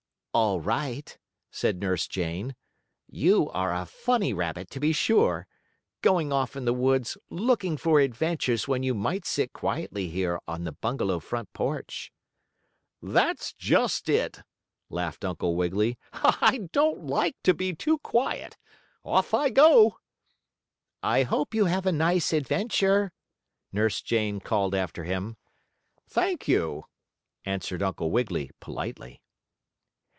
"All right," said Nurse Jane. "You are a funny rabbit, to be sure! Going off in the woods, looking for adventures when you might sit quietly here on the bungalow front porch." "That's just it!" laughed Uncle Wiggily. "I don't like to be too quiet. Off I go!" "I hope you have a nice adventure!" Nurse Jane called after him. "Thank you," answered Uncle Wiggily, politely.